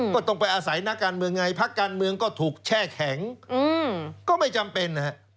ก็ต้องไปอาศัยนักการเมืองไงพักการเมืองก็ถูกแช่แข็งก็ไม่จำเป็นนะฮะ